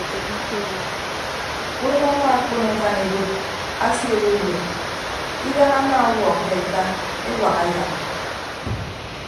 Udʌk ama akpon akan ebot asie owowot idañ ama ọwuọ ke ata ewak aya.